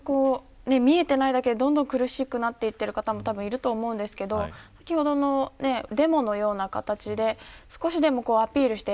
見えていないだけでどんどん苦しくなっている方もいると思うんですけど先ほどのデモのような形で少しでもアピールして。